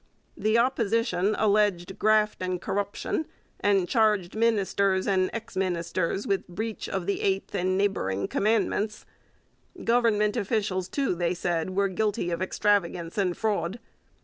The Opposition alleged 'graft' and corruption, and charged ministers and ex ministers with breach of the eighth and neighbouring commandments. Government officials, too, they said, were guilty of extravagance and fraud.